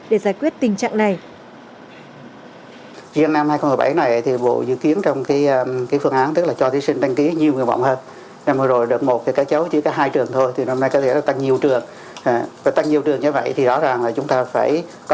để giải quyết tình trạng này